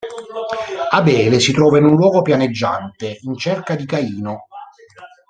Abele si trova in un luogo pianeggiante, in cerca di Caino.